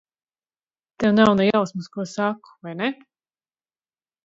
Tev nav ne jausmas, ko saku, vai ne?